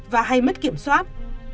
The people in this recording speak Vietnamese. và hay mất kiểm soát